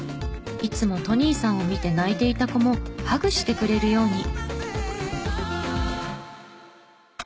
いつもトニーさんを見て泣いていた子もハグしてくれるように！